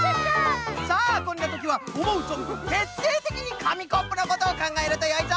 さあこんなときはおもうぞんぶんてっていてきにかみコップのことをかんがえるとよいぞ！